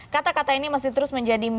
kata kata ini masih terus menjadi